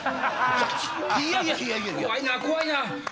・怖いな怖いな！